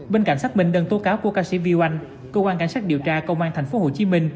bên cạnh xác minh đơn tố cáo của ca sĩ viu anh cơ quan cảnh sát điều tra công an tp hcm